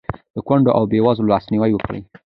د کونډو او بېوزلو لاسنیوی وکړئ.